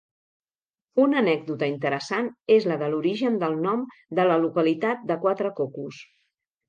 Una anècdota interessant és la de l'origen del nom de la localitat de Quatre Cocos.